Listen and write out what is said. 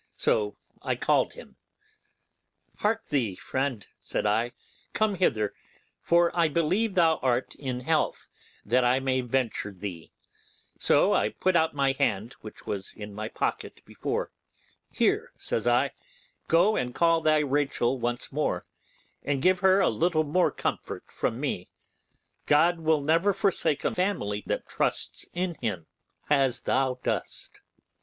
So I called him, 'Hark thee, friend,' said I, 'come hither, for I believe thou art in health, that I may venture thee'; so I pulled out my hand, which was in my pocket before, 'Here,' says I, 'go and call thy Rachel once more, and give her a little more comfort from me. God will never forsake a family that trust in Him as thou dost.